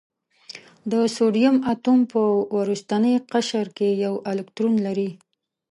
د سوډیم اتوم په وروستي قشر کې یو الکترون لري.